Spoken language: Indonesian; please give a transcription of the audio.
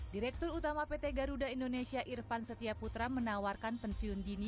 direktur utama pt garuda indonesia irvan setiaputra menawarkan pensiun dini